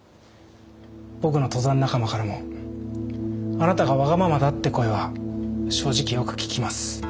僕の登山仲間からもあなたがわがままだって声は正直よく聞きます。